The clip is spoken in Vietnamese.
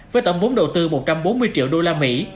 với tổng vốn đầu tư một trăm bốn mươi triệu đô la mỹ